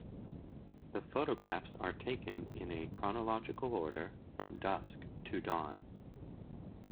The photographs are taken in a chronological order, from dusk to dawn.